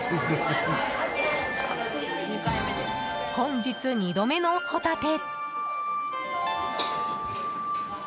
本日２度目のホタテ。